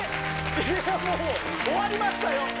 いやもう、終わりましたよ？